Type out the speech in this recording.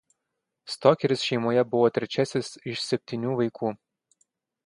Stokeris šeimoje buvo trečiasis iš septynių vaikų.